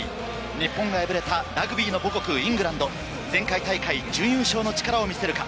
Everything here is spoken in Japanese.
日本が敗れたラグビーの母国イングランド、前回大会準優勝の力を見せるか。